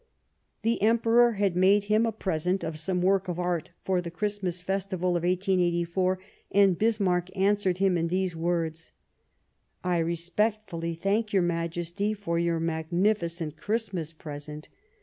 The Emperor had made him a present of some work of art for the Christmas festival of 1884, and Bismarck answered him in these words :" I respectfully thank your Majesty for your magnificent Christmas present.